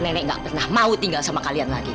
nenek gak pernah mau tinggal sama kalian lagi